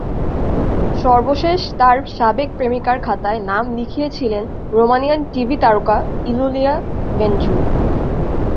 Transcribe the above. সর্বশেষ তাঁর সাবেক প্রেমিকার খাতায় নাম লিখিয়েছিলেন রোমানিয়ান টিভি তারকা ইলুলিয়া ভেঞ্চুর।